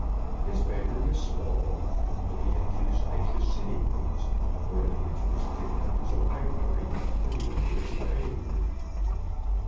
His bedroom was small, but he had two spacious sitting rooms, one of which was fitted up as a library, and the other as a dining room.